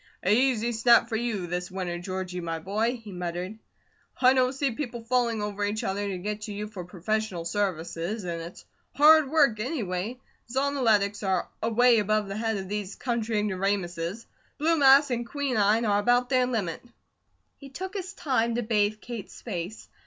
"Easy snap for you this winter, Georgie, my boy!" he muttered. "I don't see people falling over each other to get to you for professional services, and it's hard work anyway. Zonoletics are away above the head of these country ignoramuses; blue mass and quinine are about their limit." He took his time to bathe Kate's face.